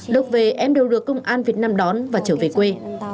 lúc về em đều được công an việt nam đón và trở về quê